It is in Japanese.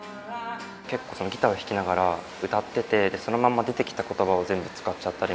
結構ギターを弾きながら歌ってて、そのまま出てきたことばを全部使っちゃったり。